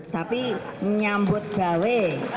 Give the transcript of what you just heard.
tapi nyambut gawe